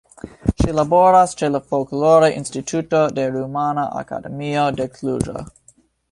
Ŝi laboras ĉe la Folklora Instituto de Rumana Akademio de Kluĵo.